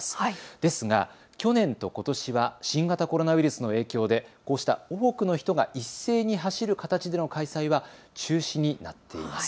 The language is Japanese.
ですが去年とことしは新型コロナウイルスの影響で、こうした多くの人が一斉に走る形での開催は中止になっています。